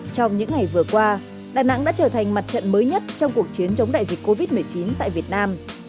trong những ngày vừa qua đà nẵng đã trở thành mặt trận mới nhất trong cuộc chiến chống đại dịch covid một mươi chín tại việt nam